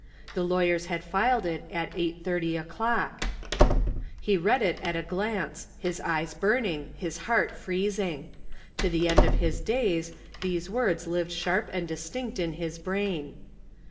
The lawyers had filed it at 8:30 o'clock. He read it at a glance, his eyes burning, his heart freezing. To the end of his days these words lived sharp and distinct in his brain.